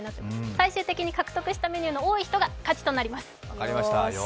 最終的に獲得したカードのメニューが多い人が勝ちとなります。